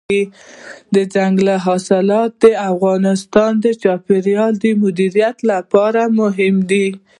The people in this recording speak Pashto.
دځنګل حاصلات د افغانستان د چاپیریال د مدیریت لپاره مهم دي.